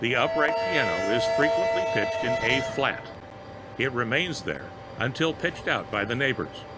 The upright piano is frequently pitched in A flat. It remains there till pitched out by the neighbors.